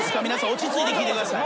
落ち着いて聞いてください。